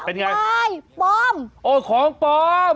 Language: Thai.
เป็นอย่างไรปลอมโอ้ยของปลอม